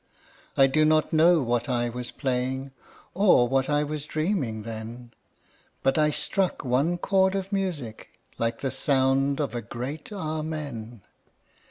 I do not know what I was playing, Or what I was dreaming then; But I struck one chord of music, Like the sound of a great Amen.